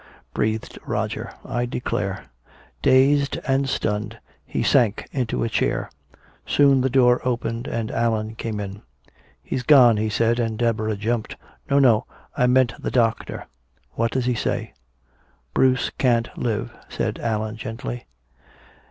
breathed Roger. "I declare!" Dazed and stunned, he sank into a chair. Soon the door opened and Allan came in. "He's gone," he said. And Deborah jumped. "No, no, I meant the doctor." "What does he say?" "Bruce can't live," said Allan gently.